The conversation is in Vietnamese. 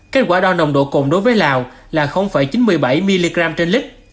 kết quả đo nồng độ cồn đối với lào là chín mươi bảy mg trên lít